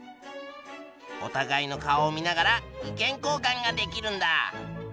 おたがいの顔を見ながら意見交換ができるんだ。